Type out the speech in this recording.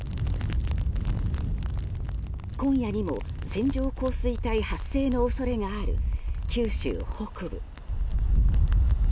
今夜にも線状降水帯発生の恐れがある九州北部。